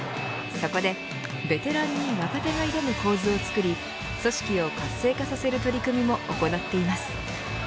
そこでベテランに若手が挑む構図を作り組織を活性化させる取り組みも行っています。